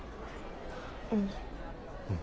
うん。